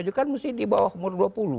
itu kan mesti di bawah umur dua puluh